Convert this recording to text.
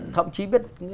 thậm chí biết